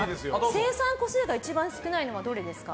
生産個数が一番少ないのはどれですか？